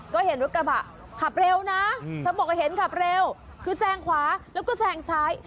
ก็เห็นรถกระบะขับเร็วนะเธอบอกว่าเห็นขับเร็วคือแซงขวาแล้วก็แซงซ้าย